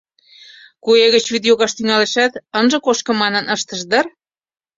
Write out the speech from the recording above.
Куэ гыч вӱд йогаш тӱҥалешат, ынже кошко манын ыштыш дыр.